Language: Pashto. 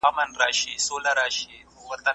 هغه د خپلو ملګرو د هڅونې لپاره لارښوونې وکړې.